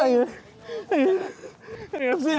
anh ơi em xin anh